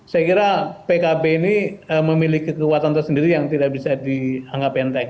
saya kira pkb ini memiliki kekuatan tersendiri yang tidak bisa dianggap enteng